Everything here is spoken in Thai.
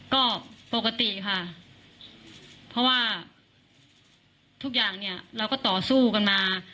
ก็ปกติค่ะเพราะว่าทุกอย่างเนี่ยเราก็ต่อสู้กันมา